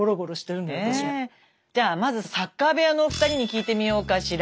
まずサッカー部屋のお二人に聞いてみようかしら。